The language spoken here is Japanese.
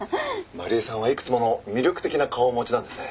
真理絵さんはいくつもの魅力的な顔をお持ちなんですね。